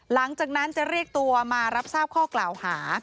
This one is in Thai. หลังจากนั้นจะเรียกตัวมารับทราบข้อกล่าวหา